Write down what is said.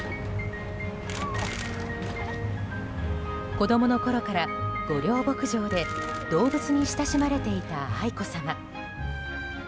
子供のころから御料牧場で動物に親しまれていた愛子さま。